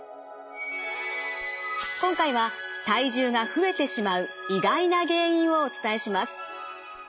今回は体重が増えてしまう意外な原因をお伝えします。